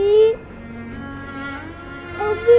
abii kangen tante dewi